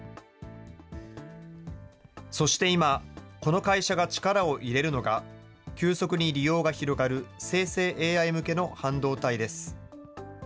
そして今、この会社が力を入れるのが、急速に利用が広がる生成ＡＩ向けの半導体です。